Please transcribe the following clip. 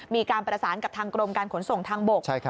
มีการประสานกับทางกรมการขนส่งทางบก